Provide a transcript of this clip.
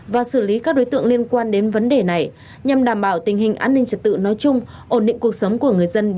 và xử lý các đối tượng liên quan đến vấn đề này nhằm đảm bảo tình hình an ninh trật tự nói chung